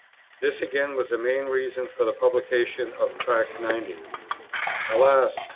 This again was a main reason for the publication of Tract 90. Alas!